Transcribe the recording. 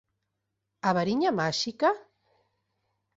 A variña máxica?